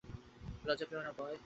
লজ্জা পেও না, রয়।